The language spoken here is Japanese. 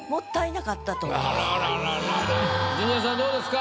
あらららジュニアさんどうですか？